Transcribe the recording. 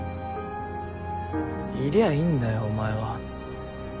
いりゃいいんだよお前は。